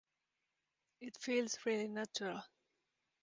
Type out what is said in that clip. It feels really natural.